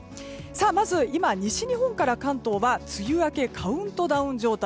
まず今、西日本から関東は梅雨明けカウントダウン状態。